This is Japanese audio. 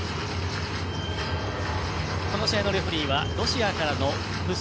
この試合のレフェリーはロシアから１名。